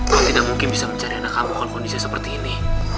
kau tidak mungkin bisa mencari anak kamu kalau kondisi seperti ini